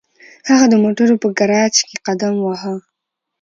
هغه د موټرو په ګراج کې قدم واهه